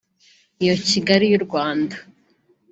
Iyo Kigali y’u Rwanda